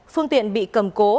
phương tiện bị cầm cố